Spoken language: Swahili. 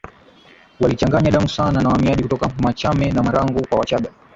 walichanganya damu sana na wahamiaji toka Machame na Marangu kwa Wachaga